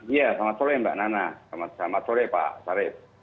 iya selamat sore mbak nana selamat sore pak sarif